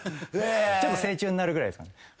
ちょっと成虫になるぐらいですかね。